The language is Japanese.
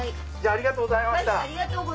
ありがとうございます。